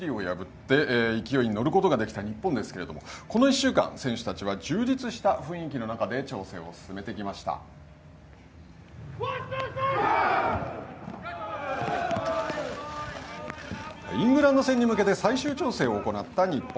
先週、チリを破って勢いに乗ることができた日本ですけれども、この１週間、選手たちは充実した雰囲気の中でイングランド戦に向けて最終調整を行った日本。